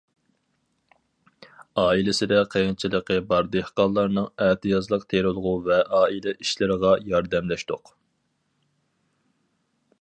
ئائىلىسىدە قىيىنچىلىقى بار دېھقانلارنىڭ ئەتىيازلىق تېرىلغۇ ۋە ئائىلە ئىشلىرىغا ياردەملەشتۇق.